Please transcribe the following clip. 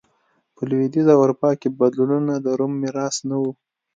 په لوېدیځه اروپا کې بدلونونه د روم میراث نه و.